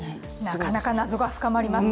なかなか謎が深まります。